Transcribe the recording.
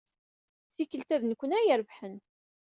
Tikkelt-a, d nekkni ay irebḥen.